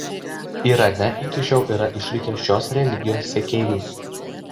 Irane iki šiol yra išlikę šios religijos sekėjų.